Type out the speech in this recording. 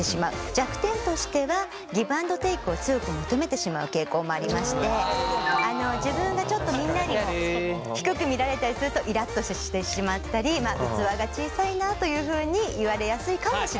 弱点としてはギブアンドテークを強く求めてしまう傾向もありまして自分がちょっとみんなに低く見られたりするとイラっとしてしまったり器が小さいなというふうに言われやすいかもしれません。